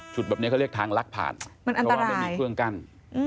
จุดแบบเนี้ยก็เรียกทางลักผ่านมันอันตรายเพราะว่าไม่มีเครื่องกั้นอืม